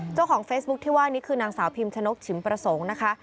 เจ้าของเฟซบุ๊คที่ว่านี้คือนางสาวพิมชนกฉิมประสงค์นะคะ